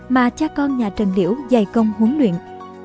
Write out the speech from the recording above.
mà cha con nhà trần liễu dày công huấn luyện